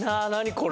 これ。